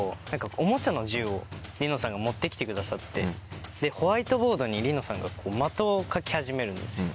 おもちゃの銃を梨乃さんが持って来てくださってホワイトボードに梨乃さんが的を描き始めるんですよ。